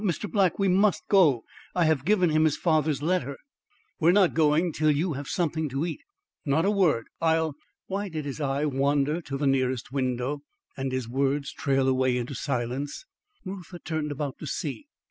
Mr. Black, we must go. I have given him his father's letter." "We are not going till you have something to eat. Not a word. I'll " Why did his eye wander to the nearest window, and his words trail away into silence? Reuther turned about to see.